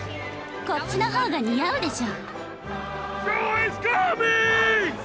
こっちの方が似合うでしょ。